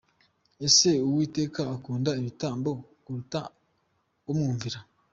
Ese Uwiteka akunda ibitambo kuruta umwumvira ?.